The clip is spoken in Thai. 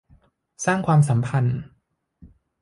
สร้างความสัมพันธ์